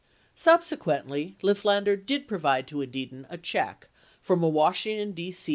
Subsequently, Lifflander did provide to Edidin a check from a Washington, D.C.